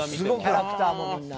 キャラクターもみんな。